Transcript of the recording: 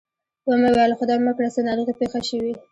و مې ویل خدای مه کړه څه ناروغي پېښه شوې.